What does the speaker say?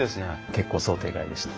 結構想定外でした。